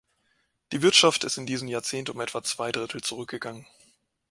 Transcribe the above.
Die Wirtschaft ist in diesem Jahrzehnt um etwa zwei Drittel zurückgegangen.